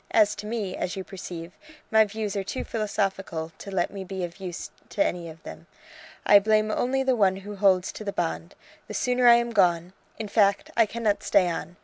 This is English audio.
As to me, as you perceive, my views are too philosophical to let me be of use to any of them. I blame only the one who holds to the bond. The sooner I am gone! in fact, I cannot stay on.